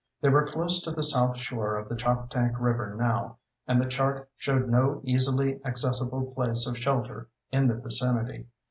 They were close to the south shore of the Choptank River now, and the chart showed no easily accessible place of shelter in the vicinity.